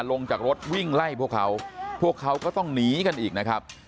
ลงจากรถวิ่งไล่พวกเขาพวกเขาก็ต้องหนีกันอีกนะครับ